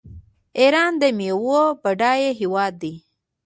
ایران د میوو بډایه هیواد دی.